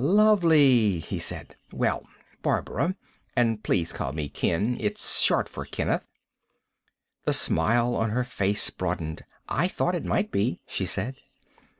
"Lovely," he said. "Well, Barbara ... and please call me Ken. It's short for Kenneth." The smile on her face broadened. "I thought it might be," she said.